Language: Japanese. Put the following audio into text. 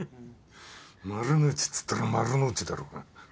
丸の内っつったら丸の内だろうが。